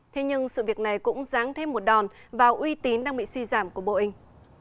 thế nhưng sự việc này cũng ráng thêm một đòn và uy tín đang bị suy giảm của boeing